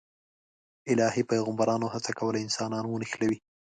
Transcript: الهي پیغمبرانو هڅه کوله انسانان ونښلوي.